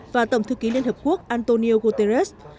và tổng thư ký liên hợp quốc antonio guterres